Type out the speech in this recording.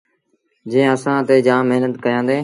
جݩهݩ اسآݩ تي جآم مهنت ڪيآندي۔